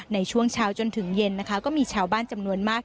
ในช่วงเช้าจนถึงเย็นนะคะก็มีชาวบ้านจำนวนมาก